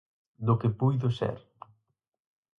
Do que puido ser.